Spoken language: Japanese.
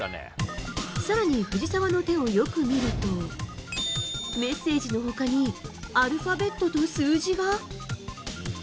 更に藤澤の手をよく見るとメッセージの他にアルファベットと数字が。